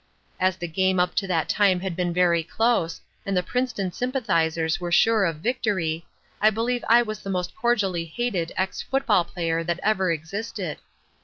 As the game up to that time had been very close, and the Princeton sympathizers were sure of victory, I believe I was the most cordially hated ex football player that ever existed.